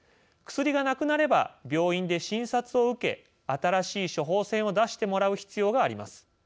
薬がなくなれば病院で診察を受け新しい処方箋を出してもらう必要があります。